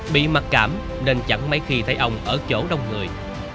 bị mặc cảm nên chẳng mấy khi thấy ông ở chỗ đông người